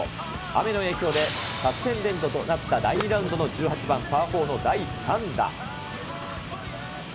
雨の影響で、サスペンデッドとなった第２ラウンドの１８番、パー４の第３打。